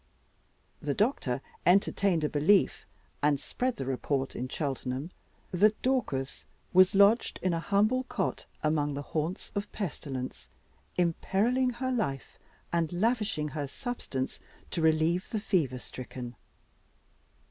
The doctor entertained a belief, and spread the report in Cheltenham, that Dorcas was lodged in a humble cot among the haunts of pestilence, imperilling her life and lavishing her substance to relieve the fever stricken.